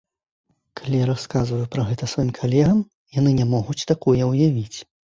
Калі я расказваю пра гэта сваім калегам, яны не могуць такое ўявіць.